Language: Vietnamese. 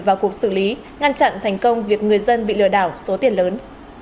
vào cuộc xử lý ngăn chặn thành công việc người dân bị lừa đảo số tiền lớn